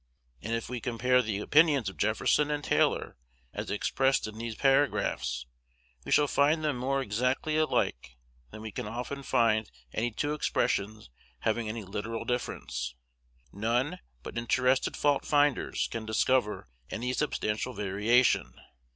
And if we compare the opinions of Jefferson and Taylor, as expressed in these paragraphs, we shall find them more exactly alike than we can often find any two expressions having any literal difference. None but interested fault finders can discover any substantial variation.